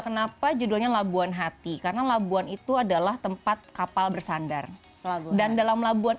kenapa judulnya labuan hati karena labuan itu adalah tempat kapal bersandar labu dan dalam labuan